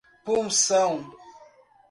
Punção